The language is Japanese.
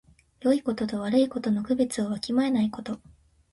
よいことと悪いことの区別をわきまえないこと。